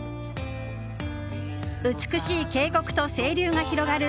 美しい渓谷と清流が広がる